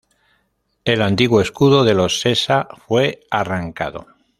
El antiguo escudo de los Sessa fue arrancado.